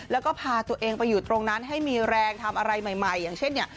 แล้วก็พาตัวเองไปอยู่ตรงนั้นให้มีแรงทำอะไรใหม่อย่างเช่นเนี่ย